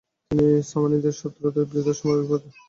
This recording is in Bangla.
তিনি সামানিদের শত্রুদের বিরুদ্ধে সামরিকদিক দিয়েও সহায়তা করেন।